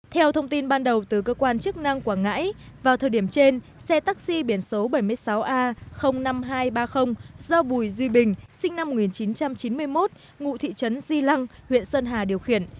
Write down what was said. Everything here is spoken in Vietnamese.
theo thông tin ban đầu từ cơ quan chức năng quảng ngãi vào thời điểm trên xe taxi biển số bảy mươi sáu a năm nghìn hai trăm ba mươi do bùi duy bình sinh năm một nghìn chín trăm chín mươi một ngụ thị trấn di lăng huyện sơn hà điều khiển